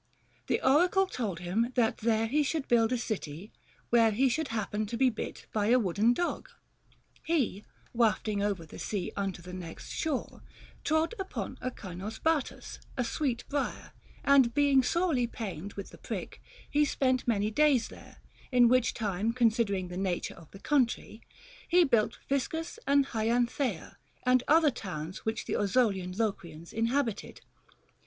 The oracle told him that there he should build a city, where he should happen to be bit by a wooden dog. He, wafting over the sea unto the next shore, trod upon a cynosbatus (a sweet brier), and being sorely pained with the prick, he spent many days there ; in which time considering the nature of the country, he built Physcus and Hyantheia, and other towns which the 272 THE GREEK QUESTIONS. Ozolian Locrians inhabited.